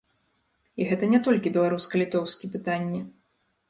І гэта не толькі беларуска-літоўскі пытанне.